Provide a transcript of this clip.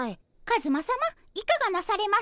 カズマさまいかがなされました？